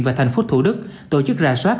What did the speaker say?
và thành phố thủ đức tổ chức rà soát